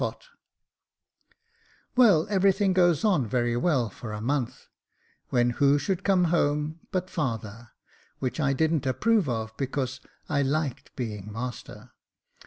2o6 Jacob Faithful " Well, everything goes on very well for a month, when who should come home but father, which I didn't approve of, because I liked being master.